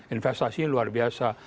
investasi luar biasa